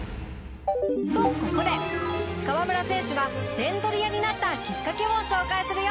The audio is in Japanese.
とここで河村選手が点取り屋になったきっかけを紹介するよ！